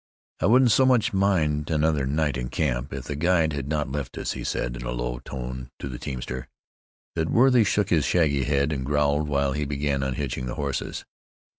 "I wouldn't so much mind another night in camp, if the guide had not left us," he said in a low tone to the teamster. That worthy shook his shaggy head, and growled while he began unhitching the horses.